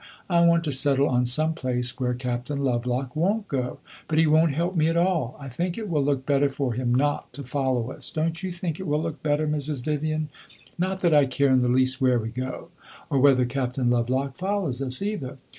I want to settle on some place where Captain Lovelock won't go, but he won't help me at all. I think it will look better for him not to follow us; don't you think it will look better, Mrs. Vivian? Not that I care in the least where we go or whether Captain Lovelock follows us, either.